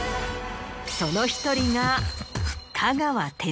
その１人が。